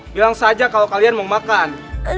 bilang saja kalau kalian mau makan